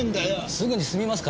すぐに済みますから。